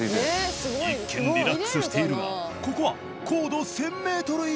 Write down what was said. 一見リラックスしているがここは高度１０００メートル以上。